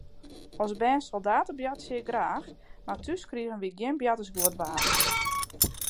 As bern soldaatsjeboarte ik graach, mar thús krigen wy gjin boartersguodwapens.